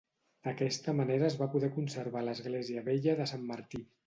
D'aquesta manera es va poder conservar l'església vella de Sant Martí.